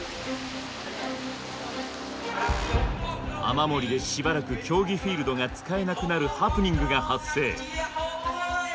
雨漏りでしばらく競技フィールドが使えなくなるハプニングが発生。